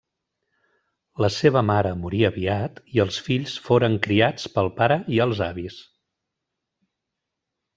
La seva mare morí aviat, i els fills foren criats pel pare i els avis.